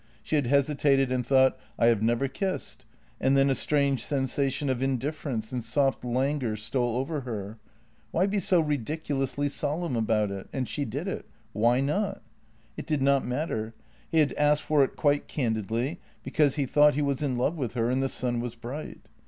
She had hesitated and thought: I have never kissed, and then a strange sensation of indifference and soft languor stole over her. Why be so ridiculously solemn about it? — and she did it — why not? It did not matter; he had asked for it quite candidly, because he thought he was in love with her and the sun was bright.